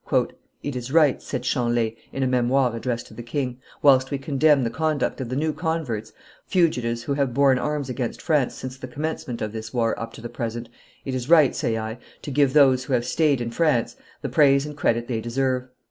"It is right," said Chanlay, in a Memoire addressed to the king, "whilst we condemn the conduct of the new converts, fugitives, who have borne arms against France since the commencement of this war up to the present, it is right, say I, to give those who have staid in France the praise and credit they deserve.